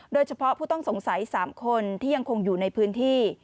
โดยเฉพาะผู้ต้องสงสัย๓คนที่ยังคงอยู่ในพื้นที่